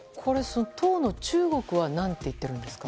当の中国は何と言っているんですか？